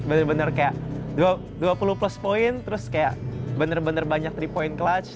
bener bener kayak dua puluh plus point terus kayak bener bener banyak tiga point clutch